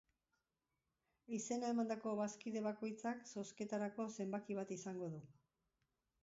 Izena emandako bazkide bakoitzak zozketarako zenbaki bat izango du.